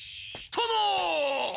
殿！